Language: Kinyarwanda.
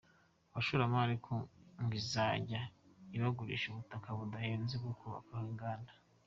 Abashoramari kandi ngo izajya ibagurisha ubutaka budahenze bwo kubakaho inganda.